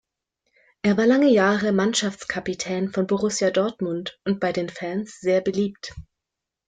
Er war lange Jahre Mannschaftskapitän von Borussia Dortmund und bei den Fans sehr beliebt.